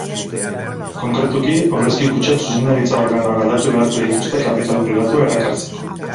Konkretuki, aurrezki-kutxek zuzendaritza organoak aldatu beharko dituzte kapital pribatua erakartazeko.